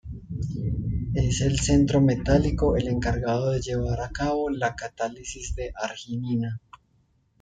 Es el centro metálico el encargado de llevar a cabo la catálisis de arginina.